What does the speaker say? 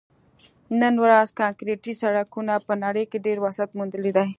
نن ورځ کانکریټي سړکونو په نړۍ کې ډېر وسعت موندلی دی